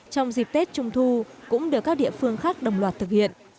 trong dịp tết trung thu cũng được các địa phương khác đồng loạt thực hiện